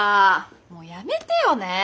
もうやめてよね！